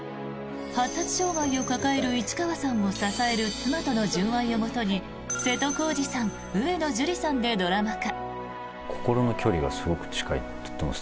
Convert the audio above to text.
発達障害を抱える市川さんを支える妻との純愛をもとに瀬戸康史さん、上野樹里さんでドラマ化。